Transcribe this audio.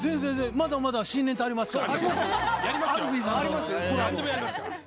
まだまだ新ネタありますから。